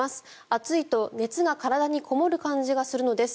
暑いと熱が体にこもる感じがするのです。